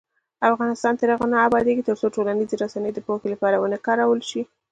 افغانستان تر هغو نه ابادیږي، ترڅو ټولنیزې رسنۍ د پوهې لپاره ونه کارول شي.